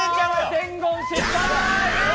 伝言失敗。